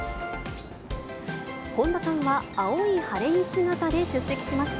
本田さんは青い晴れ着姿で出席しました。